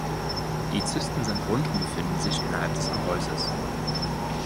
Die Zysten sind rund und befinden sich innerhalb des Gehäuses.